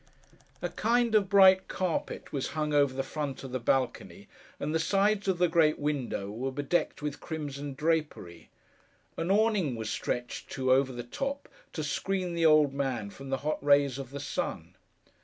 A kind of bright carpet was hung over the front of the balcony; and the sides of the great window were bedecked with crimson drapery. An awning was stretched, too, over the top, to screen the old man from the hot rays of the sun.